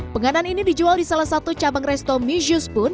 penganan ini dijual di salah satu cabang resto misues pun